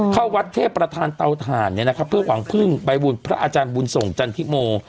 เข้าวัดเทพประธานเตาถ่านเนี่ยนะครับเพื่อหวังพึ่งใบบุญพระอาจารย์บุญส่งจันทิโม